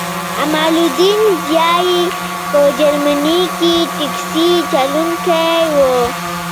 امان الدین ضیایی په جرمني کې ټکسي چلوونکی و